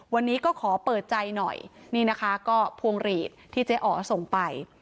วันนี้ก็ขอเปิดใจหน่อยนี่นะคะก็พวงหลีดที่เจ๊อ๋อส่งไป